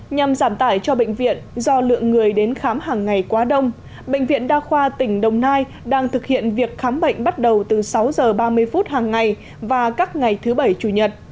nhằm giảm tải cho bệnh viện do lượng người đến khám hàng ngày quá đông bệnh viện đa khoa tỉnh đồng nai đang thực hiện việc khám bệnh bắt đầu từ sáu h ba mươi phút hàng ngày và các ngày thứ bảy chủ nhật